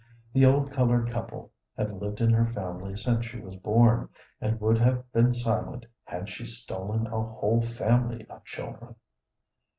The old colored couple had lived in her family since she was born, and would have been silent had she stolen a whole family of children.